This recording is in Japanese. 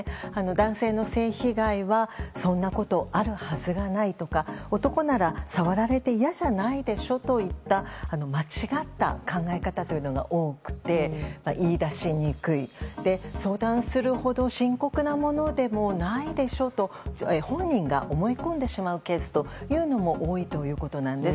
男性の性被害はそんなことあるはずがないとか男なら、触られて嫌じゃないでしょといった間違った考え方というのが多くて言い出しにくい相談するほど深刻なものでもないでしょと本人が思い込んでしまうケースというのも多いということなんです。